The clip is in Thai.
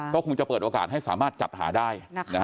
ก็คงจะเปิดโอกาสให้สามารถจัดหาได้